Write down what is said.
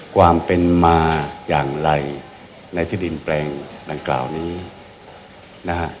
ความเป็นมาอย่างไรในที่ดินแปลงดังกล่าวนี้นะฮะ